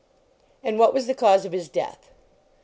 And what was the cause of his death